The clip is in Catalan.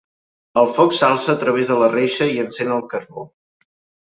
El foc s'alça a través de la reixa i encén el carbó.